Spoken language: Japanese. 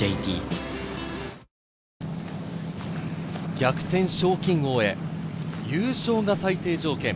逆転賞金王へ、優勝が最低条件。